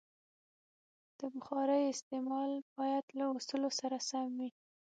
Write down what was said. د بخارۍ استعمال باید له اصولو سره سم وي.